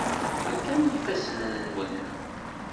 Rkan yifassen-nwen.